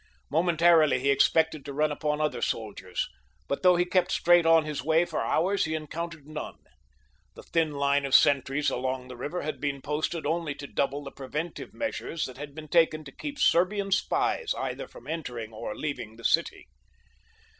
Momentarily he expected to run upon other soldiers, but though he kept straight on his way for hours he encountered none. The thin line of sentries along the river had been posted only to double the preventive measures that had been taken to keep Serbian spies either from entering or leaving the city.